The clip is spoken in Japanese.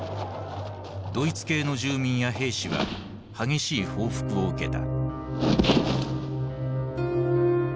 ドイツ系の住民や兵士は激しい報復を受けた。